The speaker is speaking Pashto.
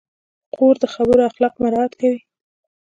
خور د خبرو اخلاق مراعت کوي.